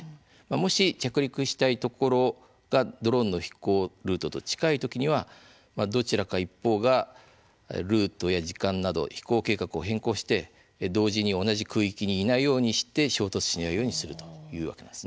もし着陸したいところがドローンの飛行ルートと近い時などにはどちらか一方がルートや時間など飛行計画を変更して同時に同じ空域に行けないようにして衝突しないようにするというわけなんです。